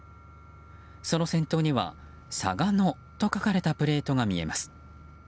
その先頭には嵯峨野と書かれたプレートが見えます。